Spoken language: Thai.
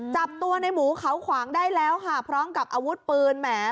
จับตัวในหมูเขาขวางได้แล้วค่ะพร้อมกับอาวุธปืนแหม